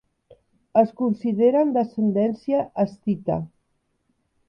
Es consideren d'ascendència escita.